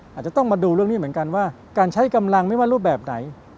อาจจะต้องมาดูเรื่องนี้เหมือนกันว่าการใช้กำลังไม่ว่ารูปแบบไหน